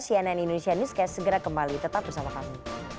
cnn indonesia newscast segera kembali tetap bersama kami